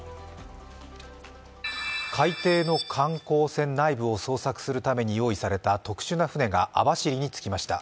海底の観光船内部を創作するための特殊な船が網走に着きました。